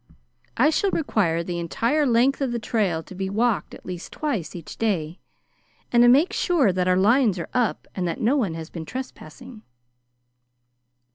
I shall require the entire length of the trail to be walked at least twice each day, to make sure that our lines are up and that no one has been trespassing."